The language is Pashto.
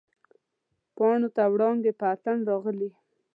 پاڼو ته وړانګې په اتڼ راغلي